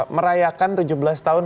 merayakan tujuh belas tahun